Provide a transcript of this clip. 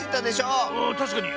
たしかに。